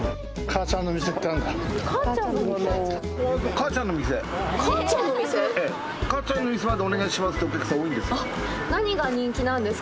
「かあちゃんの店までお願いします」ってお客さん多いんです。